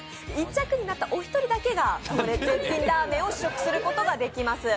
１着になったお一人だけが絶品ラーメンを試食することができます。